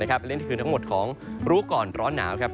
และนี่คือทั้งหมดของรู้ก่อนร้อนหนาวครับ